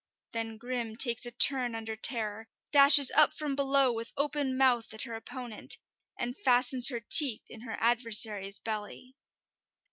Then Grim takes a turn under Terror, dashes up from below with open mouth at her opponent, and fastens her teeth in her adversary's belly.